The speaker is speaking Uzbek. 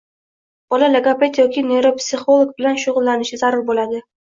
bola logoped yoki neyropsixolog bilan shug‘ullanishi zarur bo‘ladi.